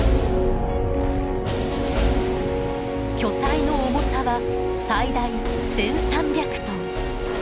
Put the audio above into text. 巨体の重さは最大１，３００トン。